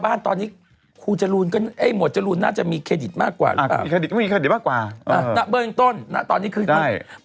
พออี๊ครูออกมาพูดก็พริกมาทั้งนี้